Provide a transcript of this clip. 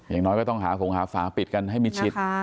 อย่างน้อยก็ต้องหาฝงหาฝาปิดกันให้มิดชิด